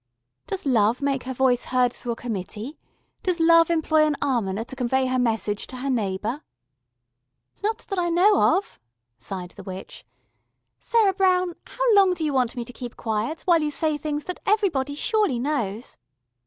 Does Love make her voice heard through a committee, does Love employ an almoner to convey her message to her neighbour?" "Not that I know of," sighed the witch. "Sarah Brown, how long do you want me to keep quiet, while you say things that everybody surely knows?"